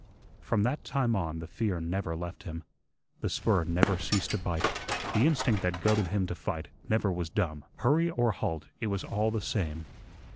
From that time on the fear never left him, the spur never ceased to bite, the instinct that goaded him to fight never was dumb; hurry or halt, it was all the same.